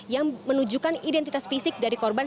yang menunjukkan identitas fisik dari korban